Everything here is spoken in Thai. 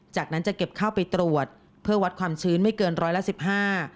จากนั้นจะเก็บข้าวไปตรวจเพื่อวัดความชื้นไม่เกินร้อยละสิบห้า